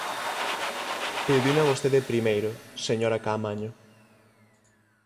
Pediuna vostede primeiro, señora Caamaño.